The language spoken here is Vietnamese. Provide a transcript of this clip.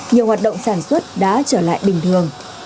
nhiều hoạt động sản xuất đã trở lại bình thường